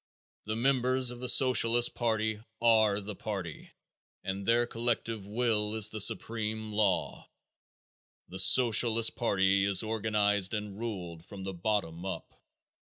The members of the Socialist party are the party and their collective will is the supreme law. The Socialist party is organized and ruled from the bottom up.